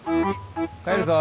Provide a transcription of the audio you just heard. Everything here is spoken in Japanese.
帰るぞ。